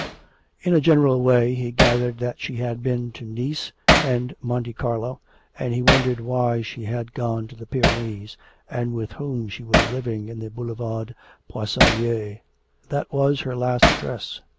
In a general way he gathered that she had been to Nice and Monte Carlo, and he wondered why she had gone to the Pyrenees, and with whom she was living in the Boulevard Poissonier. That was her last address.